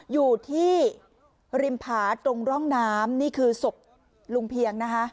อยู่ที่ริมผาตรงร่องน้ำนี่คือศพลุงเพียงนะคะ